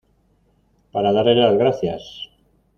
para darle las gracias